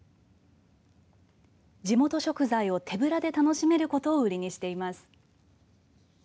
地元食材を手ぶらで楽しめることを売りにしています。